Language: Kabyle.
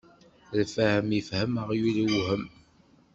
Lfahem ifhem aɣyul iwhem.